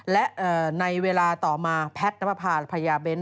และในเวลาต่อมาแพทย์น้ำประพายาเบ้น